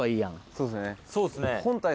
そうですね。